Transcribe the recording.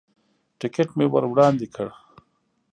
ټکټ مې ور وړاندې کړ.